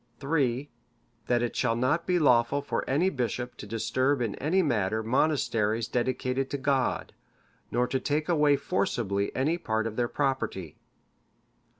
"III. That it shall not be lawful for any bishop to disturb in any matter monasteries dedicated to God, nor to take away forcibly any part of their property.